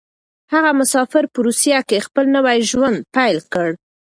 هغه مسافر په روسيه کې خپل نوی ژوند پيل کړ.